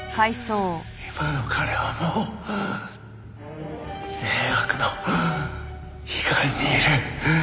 今の彼はもう善悪の彼岸にいる。